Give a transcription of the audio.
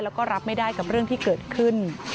แล้วก็รับไม่ได้กับเรื่องที่เกิดขึ้น